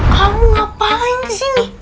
kamu ngapain disini